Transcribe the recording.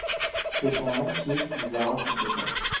C'est ton Lantier qui nous a raconté ça.